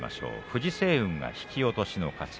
藤青雲が引き落としの勝ち。